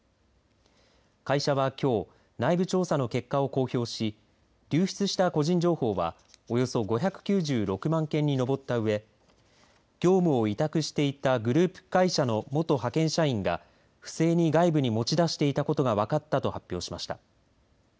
会社はきょう内部調査の結果を公表し流出した個人情報はおよそ５９６万件に上ったうえ業務を委託していたグループ会社の元派遣社員が、不正に外部に持ち出していたことが分かったと発表しました。